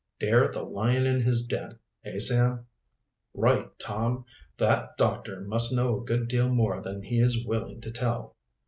"Dare the lion in his den; eh, Sam?" "Right, Tom! That doctor must know a good deal more than he is wiling to tell."